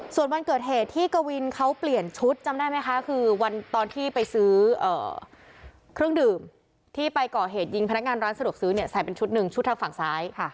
ส่วนวันเกิดเหตุที่กวินเขาเปลี่ยนชุดจำได้ไหมคะคือวันตอนที่ไปซื้อเครื่องดื่มที่ไปก่อเหตุยิงพนักงานร้านสะดวกซื้อเนี่ยใส่เป็นชุดหนึ่งชุดทางฝั่งซ้าย